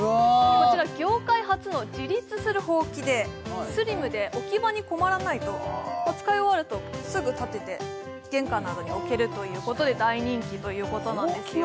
こちら業界初の自立するほうきでスリムで置き場に困らないと使い終わるとすぐ立てて玄関などに置けるということで大人気ということなんですよ